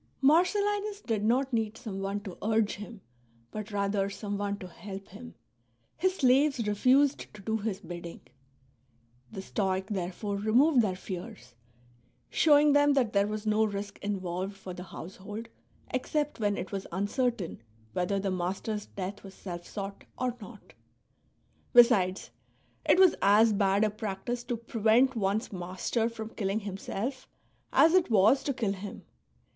Marcellinus did not need someone to urge him, but rather someone to help him ; his slaves refused to do his bidding. The Stoic therefore removed their fears, showing them that there was no risk involved for the household except when it was un certain whether the master's death was self sought or not ; besides, it was as bad a practice to prevent one's master from killing himself as it was to kill him.